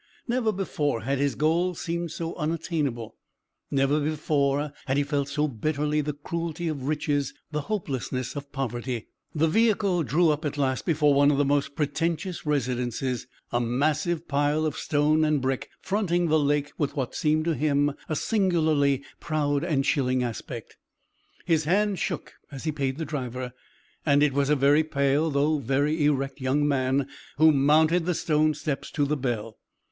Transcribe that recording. Never before had his goal seemed so unattainable; never before had he felt so bitterly the cruelty of riches, the hopelessness of poverty. The vehicle drew up at last before one of the most pretentious residences, a massive pile of stone and brick fronting the Lake with what seemed to him a singularly proud and chilling aspect. His hand shook as he paid the driver, and it was a very pale though very erect young man who mounted the stone steps to the bell.